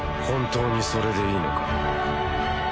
本当にそれでいいのか？